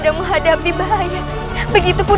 bagaimana ayah tidak akan pergi ke sana